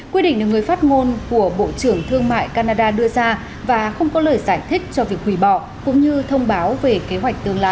quyết định được người phát ngôn của bộ trưởng thương mại canada đưa ra và không có lời giải thích cho việc hủy bỏ cũng như thông báo về kế hoạch tương lai